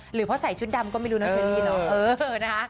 หรือเพราะใส่ชุดดำก็ไม่รู้นะเชอรี่เนอะ